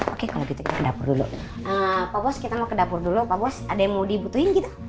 oke kalau gitu kita bos kita mau ke dapur dulu pak bos ada yang mau dibutuhin gitu